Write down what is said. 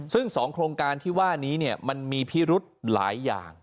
ซึ่ง๒โครงการที่ว่านี้มันมีพิรุธหลายอย่าง